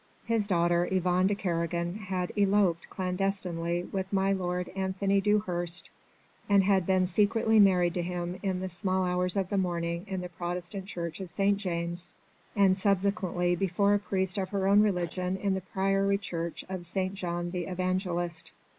His daughter Yvonne de Kernogan had eloped clandestinely with my lord Anthony Dewhurst and had been secretly married to him in the small hours of the morning in the Protestant church of St. James, and subsequently before a priest of her own religion in the Priory Church of St. John the Evangelist.